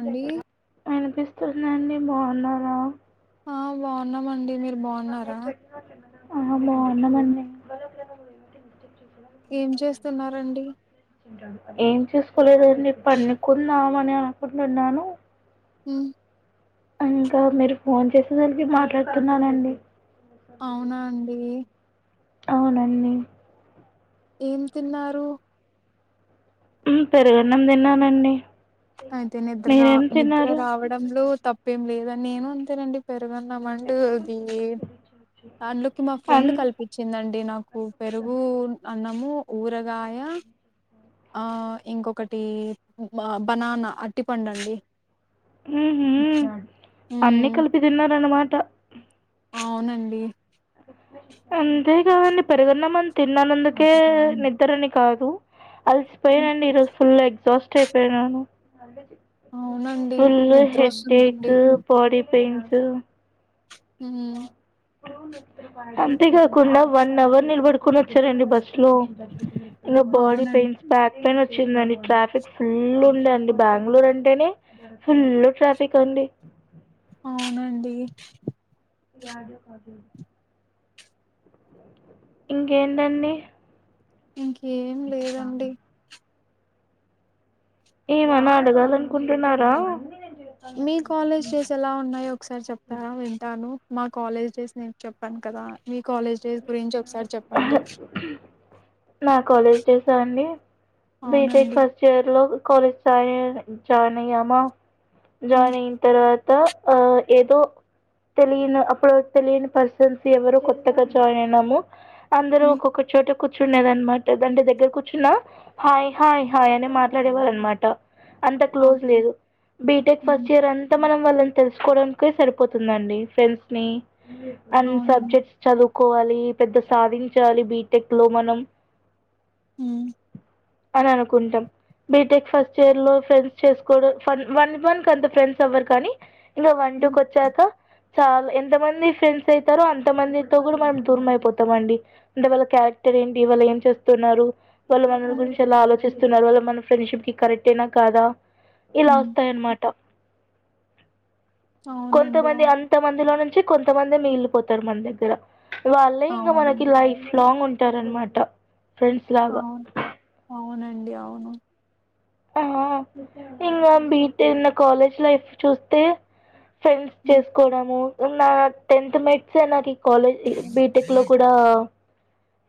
అండి నండి బాగున్నారా ఆ బాగున్నామండి మీరు బాగున్నారా ఆ బాగున్నామండి ఏం చేస్తున్నారండి ఏం చేసుకోలేదండి పండుకున్నా మన అనకుంటున్నాను ఉమ్ ఇంకా మీరు ఫోన్ చేసేసరికి మాట్లాడుతున్నానండి అవునా అండి అవునండి ఏం తిన్నారు ఉమ్ పెరుగన్నం తిన్నానండి అయితే నిద్ర రా మీరేం నిద్ర తిన్నారు రావడంలో తప్పేం లేదు నేను అంతేనండి పెరుగు గన్నం అండ్ అది అందులోకి మా ఫ్రెండ్ అన్ కల్పించిందండి నాకు పెరుగు అన్నము ఊరగాయ ఆ ఇంకొకటి బనానా అట్టిపండండి ఉహు అన్ని ఉమ్ కలిపి తిన్నారన్నమాట అవునండి అ అంతేకాదండి పెరుగన్నమని తిన్నానందుకే నిద్రని కాదు హ్మ్, అలిసిపోయానండి ఈరోజు ఫుల్ ఎగ్జాస్ట్ అయిపోయాను అవునండి ఫుల్ నిద్ర హెడ్ఎక్ వస్తుందండి బాడి పెయిన్స్ ఉమ్ అంతేకాకుండా వన్ అవర్ నిలబడుకొని వచ్చానండి బస్ లో ఇంగ బాడి అవునండి పెయిన్స్ బ్యాక్ పెయిన్ వచ్చిందండి ట్రాఫిక్ ఫుల్ ఉండే అండి బెంగళూరు అంటేనే ఫుల్ ట్రాఫిక్ అండి అవునండి డు కాదు ఇంకేంటండి ఇంకేం లేదండి ఏమన్న అడగాలనుకుంటున్నారా మీ కాలేజ్ డేస్ ఎలా ఉన్నాయో ఒకసారి చెప్తారా వింటాను మా కాలేజ్ డేస్ నేను చెప్పాను కదా మీ కాలేజ్ డేస్ గురించి ఒకసారి చెప్పండి నా కాలేజ్ డేసా అండి బీటెక్ అవునండి ఫస్ట్ ఇయర్ కాలజ జాయిన్ అయ్యామా ఉమ్ జాయిన్ అయిన తర్వాత ఆ ఏదో తెలియని అప్పుడు తెలియని పర్సన్స్ ఎవరు కొత్తగా జాయిన్ అయినాము అందరం ఉమ్ ఒక్కొక్క చోట కూర్చుండదనమాట దాంట దగ్గర కూర్చున్నా హాయ్ హాయ్ అనే మాట్లాడేవారన్నమాట అంత క్లోజ్ అవును లేదు బీటెక్ ఉమ్ ఫస్ట్ ఇయర్ అంత మనం వాళ్ళని తెలుసుకోవడానికే సరిపోతదండి ఫ్రెండ్స్ ని అన్ని అవునండి సబ్జెక్ట్స్ చదువు కోవాలి పెద్ద సాధించాలి బీటెక్ లో మనం హ్ అని అనుకుంటాం బీటెక్ ఫస్ట్ ఇయర్ లో ఫ్రెండ్స్ చేసుకోవడం వన్ వన్ మనకు అంత ఫ్రెండ్స్ అవ్వరు కానీ ఇలా వన్ టూ ఉమ్ కి వచ్చాక చాలా ఎంతమంది ఫ్రెండ్స్ అవుతారో అంతమందితో కూడా మనం దూరం అయిపోతాం అండి అంటే వల్ల క్యా ఏంటి వాళ్ళు ఏం చేస్తున్నారు వాళ్ళు మన ఉమ్ గురించి ఎలా ఆలోచూస్తున్నారు స్తున్నారు వాళ్ళ మన ఫ్రెండ్షిప్ కి కరెక్ట్ అయినా కాదా ఇలా ఉమ్ వోస్తాయి అన్నమాట అవునండి కొంతమంది అవును అంత మందిలో నుంచి కొంతమందే మిగిలిపోతారు మన దగ్గర వాళ్ళే ఇంగా మనకి అవునండి లైఫ్ లాంగ్ ఉంటారన్న మాట అవును అవునండి అవును ఆ ఇంగా బీటు న్న కాలేజ్ లైఫ్ చూస్తే ఫ్రెండ్స్ ఉమ్ చేసుకోవడము ఉన్న టెన్త్ మెట్స్ నాది కాలేజ్ బీటెక్ లో కూడా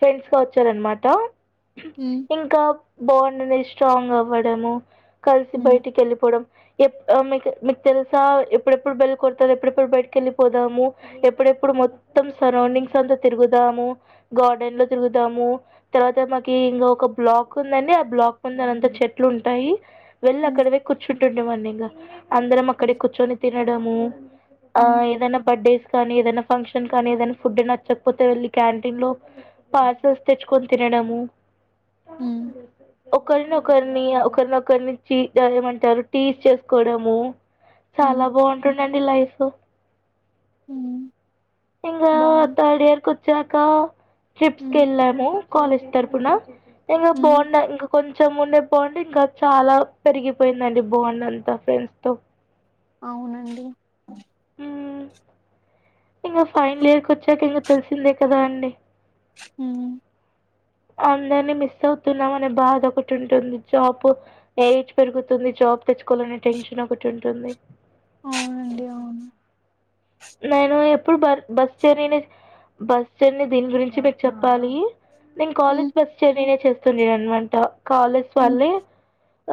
ఫ్రెండ్స్ గా వచ్చారనమాట ఉమ్ ఇంకా బాండ్ అనేది స్ట్రాంగ్ అవ్వడము కలిసి ఉమ్ బయటికి ఏళ్ళిపోవడం ఎప్ ఆ మీకు మీకు తెలుసా ఎప్పుడెప్పుడు బేల్ కొడతారు ఎప్పుడెప్పుడు బయటకెళ్ళిపోదాము ఎప్పుడేప్పు ఇప్పుడు మొత్తం సరౌండింగ్స్ అంతా తిరుగుదాము గార్డెన్ లో తిరుగుదాము తర్వాత మాకి ఇంకా ఒక బ్లాక్ ఉందండి ఆ బ్లాక్ ముందర అంత చెత్త లు ఉంటాయి వెళ్ళి ఉమ్ అక్కడవే కూర్చుంటుండిమీ అండి ఇంకా అందరం అక్కడే ఉమ్ కూర్చొని తి వెళ్ళడం ఆ ఉమ్ ఏదైనా బర్డేస్ కానీ ఏదైనా ఫంక్షన్ కానీ ఏదైనా ఫుడ్ నచ్చకపోతే వెళ్ళి క్యాంటీన్ లో పార్సల్స్ తెచ్చుకొని తినే తినడం హ్ ఒకరినొకరిని ఒకరినొరినించి ఏమంటారు టీస్ చేసుకోవడము చాలా ఉమ్ బాగుంటుండండి లైఫ్ ఉమ్ ఇంగ బాగుంటది తర్డ్ ఇయర్కు వొచ్చక ట్రిప్స్కి ఉమ్ ఏళ్ళాము కాలేజ్ తరపున ఇంకా ఉమ్ బాగుండ ఇంకా కొంచెం ఉండే బాండ్ ఇంకా చాలా పెరిగిపోయిందండి బాండ్ అంతా ఫ్రెండ్స్ తో అవునండి ఇంగా ఫైనల్ ఇయర్ కు వచ్చాక ఇంక తెలిసిందే కదా అండి హ్ అందరినీ మిస్ అవుతున్నాం అనే బాధ ఒకటి ఉంటుంది జాబ్ ఎయిజ్ పెరుగుతుంది జాబ్ జాబ్ తెచ్చుకోవాలని టెన్షన్ ఒకటి ఉంటుంది అవునండి అవును నేను ఎప్పుడు బ బస్ జర్నీని బస్ జర్నీ దీని గురించి మీకు చెప్పాలి నేను ఉమ్ కాలేజ్ బస్ జర్నీ నే చేస్తుండే అన్నమాట కాలేజ్ ఉమ్ వాల్లే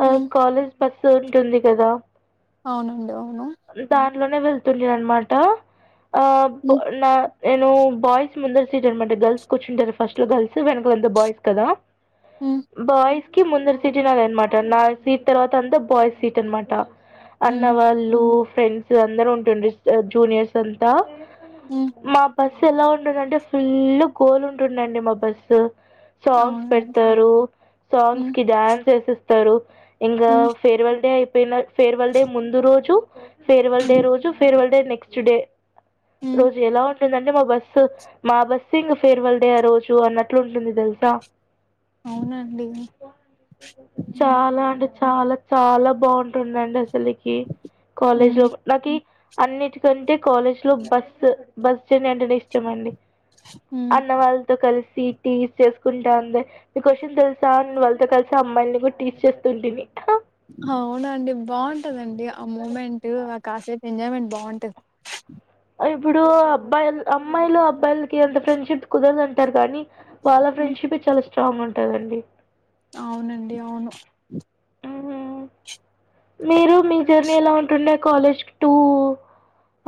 ఆ ఉమ్ కాలేజ్ బస్సు ఉంటుంది కదా అవునండి అవును లోనే వెళ్తుంది అన్న మాట అబ్ హ్మ్ నా నేను బాయ్స్ ముందర సీటు అన్నమాట గర్ల్స్ కూర్చుంటారు ఫస్ట్ లో గర్ల్స్ వెనకంతా బాయ్స్ కదా హ్మ్ బాయ్ కి ముందర సీటే నాది అనమాట నాది సీట్ తర్వాత అంత బాయ్స్ సీట్ అనమాట అన్న హ్మ్ వాళ్ళు ఫ్రెండ్స్ అందరు ఉంటుండే జూనియర్స్ అంతా హ్మ్ మా బస్సు ఎలా ఉంటుందంటే ఫుల్ గోల్ ఉంటుందండి మా బస్సు సాంగ్స్ అవునండి పెడతారు సాంగ్స్ హ్మ్ కి డాన్స్ వేసేస్తారు ఇంకా హ్మ్ ఫేర్వెల్ డే అయిపోయిన ఫేర్వెల్ డే ముందు రోజు ఫేర్వెల్ డే హ్మ్ రోజు ఫేర్వెల్ డే నెక్స్ట్ డే హ్మ్ రోజు ఎలా ఏంది అంటే మా బస్సు మా బస్సే ఇంగా ఫేర్వెల్ డే ఆ రోజు అన్నట్లు ఉంటుంది తెలుసా అవునండి చాలా అంటే చాలా చాలా బాగుంటుందండి అసలుకి కాలేజ్ హ్మ్ నాకి అన్నిటికంటే కాలేజ్ లో బస్సు బస్సు జర్నీ అంటేనే ఇష్టమ అండి హ్మ్ అన్నవాళ్ళతో కలిసి టీస్ చేసుకుంటా అంద్ మీకో విషయం తెలుసా అన్న వాళ్ళతో కలిసి అమ్మాయిల్ని కూడా టీస్ చేస్తుంటిమి అవునండి బావుంటదండి ఆ మూమెంట్ ఆ కాసేపు ఎంజాయ్మెంట్ బాగుంటాది ఇప్పుడు అబ్బాయిలు అమ్మాయిలు అబ్బాయిలకి అంత ఫ్రెండ్షిప్ కుదరదు అంటారు కానీ వాళ్ళ హ్మ్ ఫ్రెండ్ షిప్ ఏ చాలా స్ట్రాంగ్ ఉంటాదండి అవునండి అవును హ్మ్. మీరు మీ జర్నీ ఎలా ఉంటుండే కాలేజ్ టూ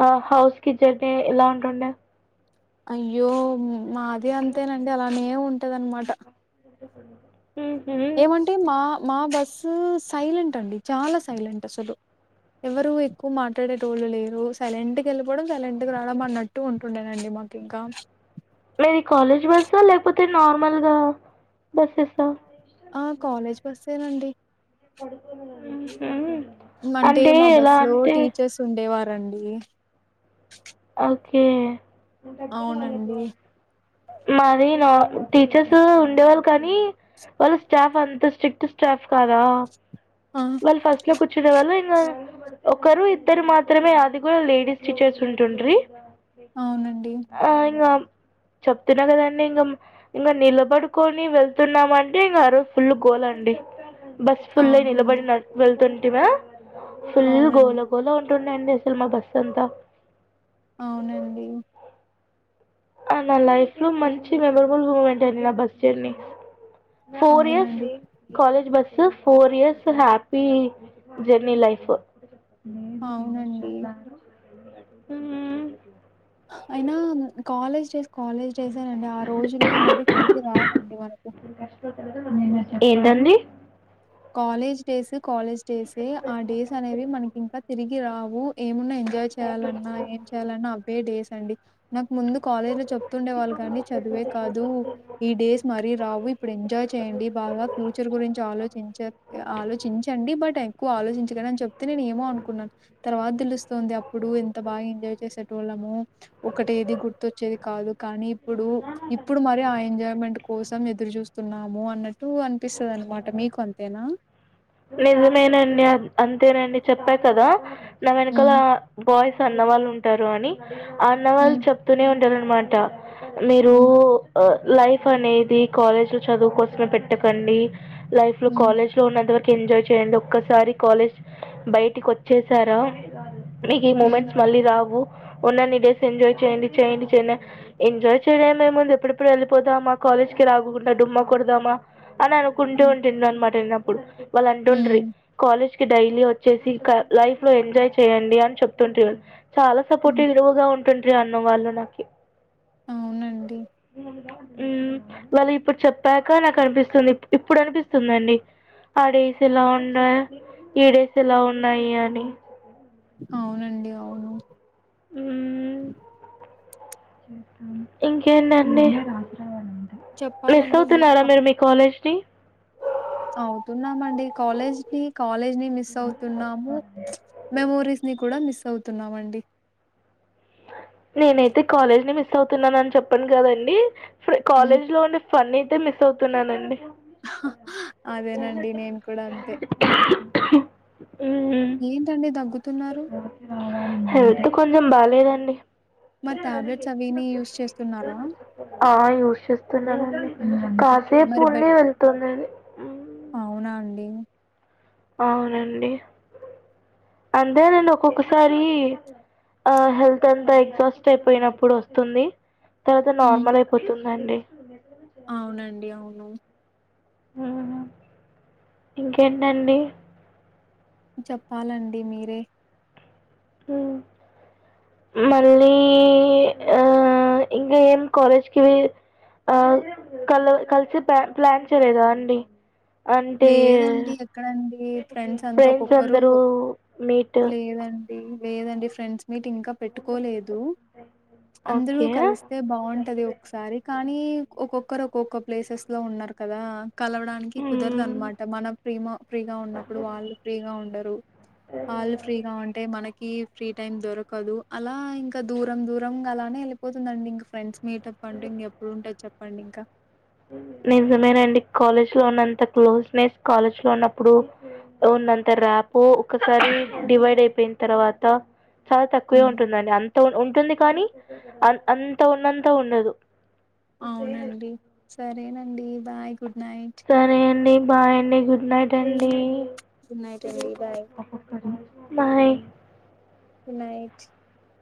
ఆ హౌస్ కి జర్నీ ఎలా ఉంటుండే అయ్యో మాది అంతేనండి అలానే ఉంటాద అనమాట [inaudible] ఎక్కడ ఏమంటే మా మా బస్సు సైలెంట్ అండి చాలా సైలెంట్ అసలు ఎవరు ఎక్కువ మాట్లాడేటోళ్ళు లేరు సైలెంట్ వెళ్ళిపోవడం సైలెంట్ గా రావడం అన్నట్టు ఉంటుండేనండి మాకు ఇంకా మీది కాలేజ్ బస్ లేకపోతే నార్మల్ గా బస్సెసా ఆ కాలేజ్ బస్సెనండి అవునా అంటే మా బస్సు లో టీచర్స్ ఉండేవారండి ఓకే అవునండి మాది నా టీచర్స్ ఉండేవాళ్ళు కానీ వాళ్ళు స్టాఫ్ అంతా స్ట్రిక్ట్ స్టాఫ్ కదా ఆ వాళ్ళు ఫస్ట్ లో కూర్చునే వాళ్ళు ఇంగా ఒకరు ఇద్దరు మాత్రమే అది కూడా లేడీస్ టీచర్స్ ఉంటుండిరి అవునండి అయినామ్ చెప్తున్నా కదండి ఇంగా ఇంకా నిలబడుకొని వెళ్తున్నాము అంటే ఇంకా ఆ రోజు ఫుల్ గోలా అండి బస్సు ఫుల్ అయ్ నిలబడి అవునండి వెళ్తుంటిమా ఫుల్ అవునండి గోలా గోలా ఉంటుండే అండి అసలు మా బస్సు అంత అవునండి నా లైఫ్ లో మంచి మెమరబుల్ మూమెంట్ అండి నా బస్ జర్నీ ఫోర్ ఇయర్స్ అవునండి college bus so four years నా హ్యాపీ జెర్నీ లైఫ్ లేదు ఏవరు అవునండి చెప్పారు అయినా కాలేజ్ లో కాలేజ్ డేసేనండి ఆ రోజులు మరీ తిరిగి రావండి మనకు ఏంటండి కాలేజ్ డేస్ కాలేజ్ డేస్ ఆ డేస్ అనేవి మనకి ఇంకా తిరిగి రావు ఏమున్నా ఎంజాయ్ చేయాలన్నా ఏం చెయాలన్నా అవే డేస్ అండి నాకు ముందు కాలేజ్ లో గుర్తుండే వాళ్ళు కానీ చదివే కాదు ఈ డేస్ మరీ రావు ఇప్పుడు ఎంజాయ్ చేయండి బాగా ఫ్యూచర్ గురించి ఆలోచ ఆలోచించండి బట్ ఎక్కువ ఆలోచించకానీ అని చెప్తే నేను ఏమో అనుకున్నాను తర్వాత తెలుస్త ఉంది అప్పుడు ఎంత బాగా ఎంజాయ్ చేసేట వాళ్ళము ఒకటి ఏది గుర్తుొచ్చేది కాదు కానీ ఇప్పుడు ఇప్పుడు మరి ఆ ఎంజాయ్మెంట్ కోసం ఎదురు చూస్తున్నాము అన్నట్టు అనిపిస్తుంది అనమాట మీకు అంతేనా నిజమేనండి అంతేనండి చెప్పా కదా నా వెనకాల హ్మ్. బాయ్స్ అన్నవాళ్ళు ఉంటారు అని ఆ అన్నవాళ్ళు హ్మ్. చెప్తూనే ఉ నమాట మీరు హ్మ్. లైఫ్ అనేది కాలేజ్ లో చదువుకోసమే పెట్ట పెటకండి లైఫ్ లో హ్మ్. కాలేజ్ లో ఉన్నంత వర ఎంజాయ్ చేయండి ఒక్కసారి కాలేజ్ బయటికి వచ్చేసారా ఇ ఈ హ్మ్. మూమెంట్స్ మళ్ళీ రావు ఉన్నన్ని డేస్ ఎంజాయ్ చేయండి చేయండియ ఎంజాయ్ చేయడమేముంది ఎప్పుడప్పుడు వెళ్ళిపోతా మాకు కాలేజ్ కి రాకుండా డుమ్మ కోడదామా అని అనుకుంటూ హ్మ్. ఉంటుండ అనమాట నేను అనప్పుడు వాళ్ళు అంటు ఉంట్రి హ్మ్. కాలేజ్ డైలీ వచ్చేసి లైఫ్ లో ఎంజాయ్ చేయండి అని చెప్తుంటూరి చాలా హ్మ్. సపోర్టివ్ విలువగా ఉంటుండీ అన్న వాళ్ళు నాకి అవునండి. ఉ వాళ్ళు ఇప్పుడు చెప్పాక నాకు కనిపిస్తుంది ఇప్పుడు అనిపిస్తుందండి ఆ డేస్ ఎలా ఉన్నాయి ఈడేస్ ఎలా ఉన్నాయి అని అవునండి అవును హ్మ్. ఇంకేంటండి మిస్ చెప్పాలండి అవుతున్నారా మీరు మీ కాలేజ్ ని చదువుతున్నామండి కాలేజ్ కి కాలేజ్ ని మిస్ అవుతున్నాము మెమోరీస్ ని కూడా మిస్ అవుతున్నామండి, నేనైతే కాలేజ్ ని మిస్ అవుతున్నాన అని చెప్పను కదండి హ్మ్. కాలేజ్ లో ఉండే ఫని అయితే మిస్ అవుతున్నానండి అదేనండి నేను కూడా అంతే మ్మ్. ఏంటండడి దగ్గు హెల్త్ కొంచెం బాలేదండి మా టాబ్లెట్స్ అవి ఇవి యూస్ చేస్తున్నారా డి మరి బెడ్ కాసేపుని వెళ్తుందిండి అవునా అండి అవునండి అంతేనండి అంటే నేను ఒక్కొక్కసారి ఆ హెల్త్ అంతా ఎగ్జాస్ట్ అయిపోయినప్పుడు వస్తుంది తర్వాత హ్మ్. నార్మల్ అయిపోతుందండి అవునండి అవును ఉ ఇంకేంటండి చెప్పాలండి మీరే ఉ మళ్ళీ ఆ ఇంకా ఏం కాలేజ్కిి ఆ కల కలిసి ప్ ప్లాన్ చేయలేదా అండి అంటే లేదండి ఎక్కడండి ఫ్రెండ్స్ అంతా ఒక్కొక్కరు మీట్ లేదండి లేదండి ఫ్రెండ్స్ మీటింగ్ ఇంకా పెట్టుకోలేదు అందరూ ఓకే కలిస్తే బాగుంటది ఒకసారి కానీ ఒ ఒక్కరు ఒక్కొక్క ప్లేసెస్ లో ఉన్నారు కదా కలవడానికి ఊ కుదరదనమాట మన ప్రిమ ఫ్రీగా ఉన్నప్పుడు వాళ్ళు ఫ్రీగా ఉండరు వాళ్ళు ఫ్రీగా ఉంటే మనకి ఫ్రీ టైమ్ దొరకదు అలా ఇంకా దూరం దూరం అలానే వెళ్ళిపోతుందండి ఇంక ఫ్రెండ్స్ మీటప్ అంటూ ఇంక ఎప్పుడు ఉంటది చెప్పండి ఇంకా నిజమేనండి కాలేజ్ లో ఉన్నంత క్లోజ్నెస్ కాలేజ్ లో ఉన్నప్పుడు ఉన్నత ర్యాపు ఒకసారి డివైడ్ అయిపోయిన తర్వాత చాలా తక్కువే ఉమ్, ఉంటుందండి అంత ఉ ఉంటుంది కానీ అ అంత ఉన్నంత ఉండదు అవునండి సరేనండి బాయ్ గుడ్ నైట్ సరే అండి బాయ్ అండి గుడ్ నైట్ అండి గుడ్ నైట్ అండి బాయ్ బాయ్ గుడ్ నైట్